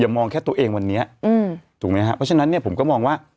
มองแค่ตัวเองวันนี้ถูกไหมครับเพราะฉะนั้นเนี่ยผมก็มองว่า